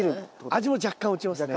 味も若干落ちますね。